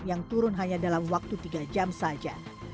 yang turun hanya dalam waktu tiga jam saja